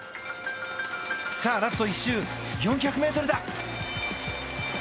さあ、ラスト１周４００ｍだ。